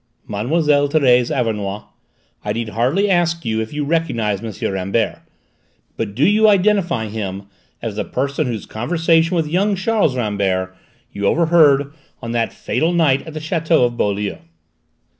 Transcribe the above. "Mademoiselle Thérèse Auvernois, I need hardly ask if you recognise M. Rambert: but do you identify him as the person whose conversation with young Charles Rambert you overheard on that fatal night at the château of Beaulieu?"